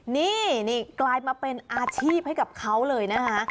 นี่นี่กลายมาเป็นอาชีพให้กับเขาเลยนะคะ